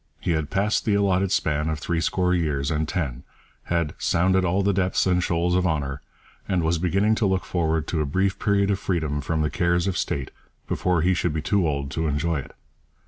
He had passed the allotted span of threescore years and ten, had 'sounded all the depths and shoals of honour,' and was beginning to look forward to a brief period of freedom from the cares of state before he should be too old to enjoy it.